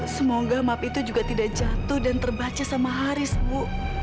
semoga map itu juga tidak jatuh dan terbaca sama haris bu